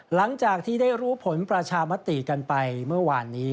หลังจากที่ได้รู้ผลประชามติกันไปเมื่อวานนี้